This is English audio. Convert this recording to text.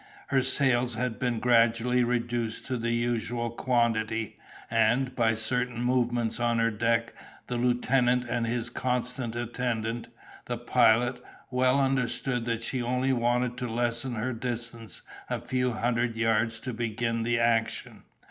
Her sails had been gradually reduced to the usual quantity, and, by certain movements on her decks, the lieutenant and his constant attendant, the Pilot, well understood that she only wanted to lessen her distance a few hundred yards to begin the action.